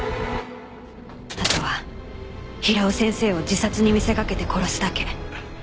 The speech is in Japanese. あとは平尾先生を自殺に見せかけて殺すだけ。